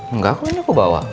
enggak aku ini aku bawa